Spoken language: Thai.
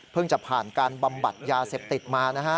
เพิ่งจะผ่านการบำบัดยาเสพติดมา